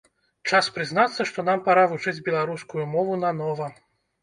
Час прызнацца, што нам пара вучыць беларускую мову нанова!